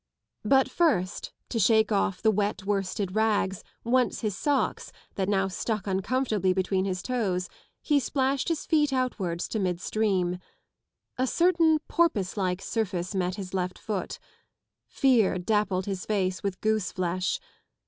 But first, to shake off the wet worsted rags, once his socks, that now stuck uncomfortably between bis toes, he splashed his feet outwards to midstream. A certain porpoise like surface met his left foot. Fear dappled his face with goose flesh.